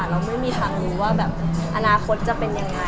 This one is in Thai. เราไม่มีทางรู้ว่าแบบอนาคตจะเป็นยังไง